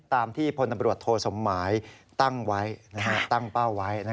ตามที่ผลบรวจโทษหมายตั้งเป้าไว้